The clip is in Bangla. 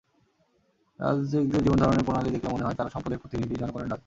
রাজনীতিকদের জীবনধারণের প্রণালি দেখলে মনে হয়, তাঁরা সম্পদের প্রতিনিধি, জনগণের নন।